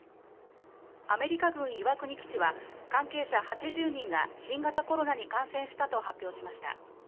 アメリカ軍岩国基地は関係者８０人が新型コロナに感染したと発表しました。